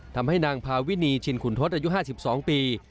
ทำให้นางพาวินีชินขุนทศอายุ๕๒ปี